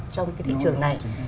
trong cái thị trường này